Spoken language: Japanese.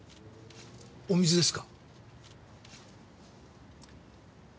お水ですか？